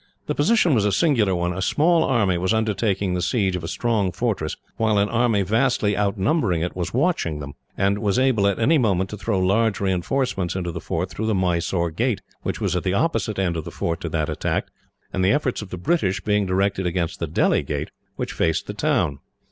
The position was a singular one. A small army was undertaking the siege of a strong fortress, while an army vastly outnumbering it was watching them; and was able, at any moment, to throw large reinforcements into the fort through the Mysore gate, which was at the opposite end of the fort to that attacked, the efforts of the British being directed against the Delhi gate, which faced the town.